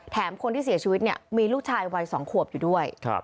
คนที่เสียชีวิตเนี่ยมีลูกชายวัย๒ขวบอยู่ด้วย